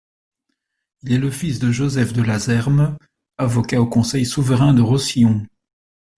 Il est le fils de Joseph de Lazerme, avocat au conseil souverain de Roussillon.